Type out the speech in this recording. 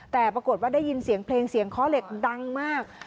แต่ปรากฏว่าได้ยินเสียงเพลงเสียงค้อเหล็กดังมาก